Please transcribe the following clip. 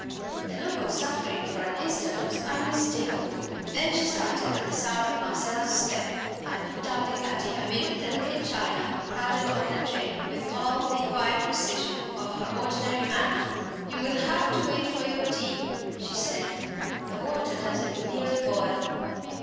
The look of suffering for an instant was unmistakable; then she started at the sound of Marcella's step, and put down the caddy amid the delicate china crowded on the tray, with all the quiet precision of her ordinary manner. "You will have to wait for your tea," she said, "the water doesn't nearly boil."